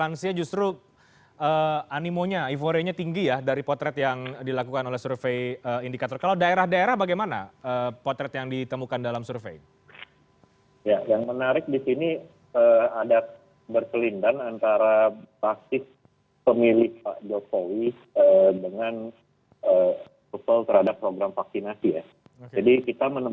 namun faktor efek samping menjadi lebih di dominan gitu